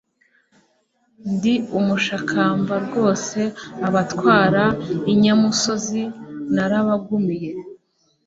Ndi umushakamba rwoseAbatwara inyamusozi narabagumiye.